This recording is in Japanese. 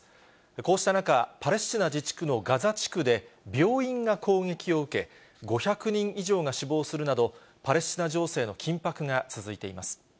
こうした中、パレスチナ自治区のガザ地区で、病院が攻撃を受け、５００人以上が死亡するなど、パレスチナ情勢の緊迫が続いています。